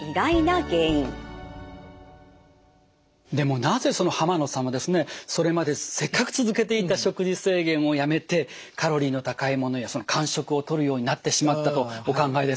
でもなぜ濱野さんはですねそれまでせっかく続けていた食事制限をやめてカロリーの高いものや間食をとるようになってしまったとお考えですか？